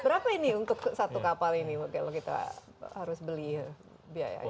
berapa ini untuk satu kapal ini kalau kita harus beli biayanya